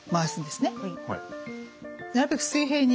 なるべく水平に。